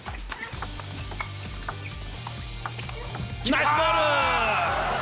ナイスボール！